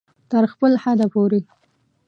تر خپل حده پورې